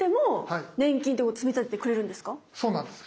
そうなんです。